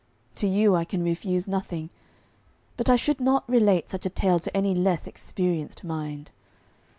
To you I can refuse nothing; but I should not relate such a tale to any less experienced mind.